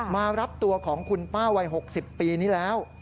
มารับตัวของคุณป้าวัย๖๐ปีนี้แล้ว